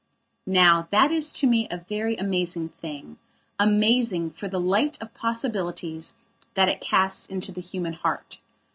Now that is to me a very amazing thingamazing for the light of possibilities that it casts into the human heart.